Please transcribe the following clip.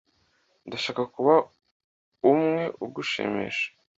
Ndashaka kuba umwe ugushimisha.